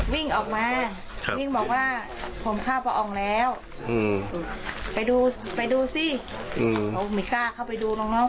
หรือเป็นมือตายให้มาดูก็หน่อย